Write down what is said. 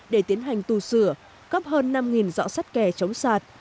để tiến hành tu sửa góp hơn năm dõi sắt kè chống sạt